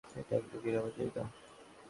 এটা একদম নিরাপদ জায়গা।